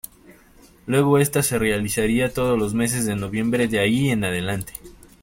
Luego esta se realizaría todos los meses de noviembre de ahí en adelante.